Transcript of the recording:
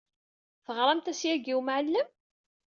Teɣramt-as yagi i wemɛellem?